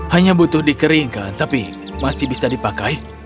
hanya butuh dikeringkan tapi masih bisa dipakai